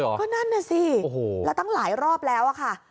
เพราะนั่นน่ะสิแล้วตั้งหลายรอบแล้ว